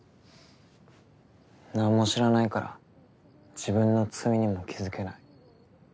なんも知らないから自分の罪にも気付けない。